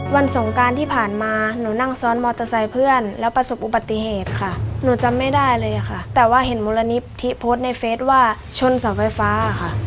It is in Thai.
สงการที่ผ่านมาหนูนั่งซ้อนมอเตอร์ไซค์เพื่อนแล้วประสบอุบัติเหตุค่ะหนูจำไม่ได้เลยค่ะแต่ว่าเห็นมูลนิธิโพสต์ในเฟสว่าชนเสาไฟฟ้าค่ะ